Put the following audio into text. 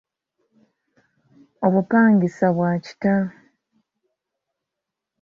Obupangisa bwa kitalo.